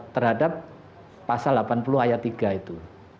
terhadap pasal delapan puluh ayat tiga itu